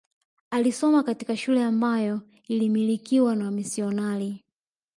Alisoma katika shule ambayo iliyomilikiwa na wamisionari